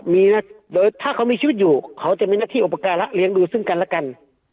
มีนะโดยถ้าเขามีชีวิตอยู่เขาจะมีหน้าที่อุปการะเลี้ยงดูซึ่งกันและกัน